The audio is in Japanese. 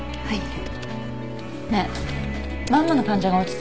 はい。